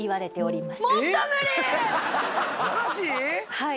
はい。